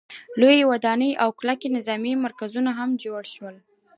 لویې ودانۍ او کلک نظامي مرکزونه هم جوړ شول.